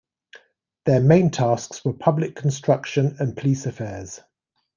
Their main tasks were public construction and police affairs.